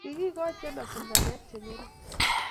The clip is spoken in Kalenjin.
Kigigochi Anderson ngalek chengering